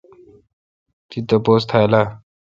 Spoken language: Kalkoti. تی تاپوس تھال اؘ۔